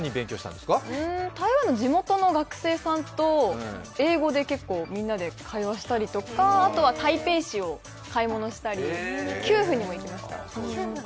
台湾の地元の学生さんと英語で結構、みんなで会話したりとかあと、台北市を買い物したりきゅうふんにも行きました。